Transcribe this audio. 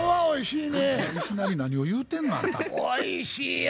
おいしいわ。